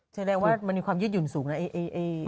แสดงว่ามันมีความยืดหยุ่นสูงนะเอ